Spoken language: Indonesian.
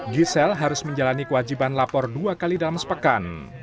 giselle harus menjalani kewajiban lapor dua kali dalam sepekan